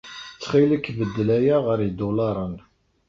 Ttxil-k beddel aya ɣer yidulaṛen.